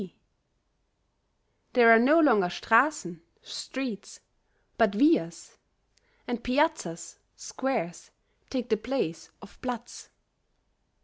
41. There are no longer strassen (streets), but vias, and piazzas (squares) take the place of platze.